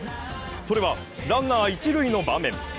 それはランナー一塁の場面。